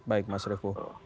baik mas refu